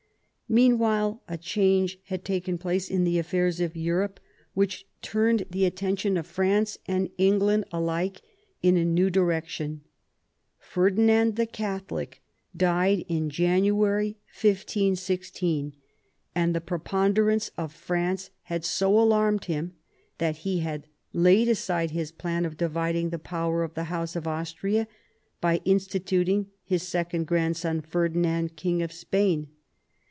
Meanwhile a change had taken place in the affairs of Europe which turned the attention of France and / 44 THOMAS WOLSEY chap. England ' alike in a new direction. Ferdinand the Catholic died in January 1516, and the preponderance of France had so alarmed him that he laid aside his plan of dividing the power of the House of Austria by instituting his second grandson, Ferdinand, King of Spain.